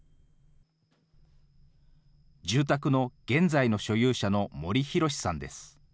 住宅の現在の所有者の森洋さんです。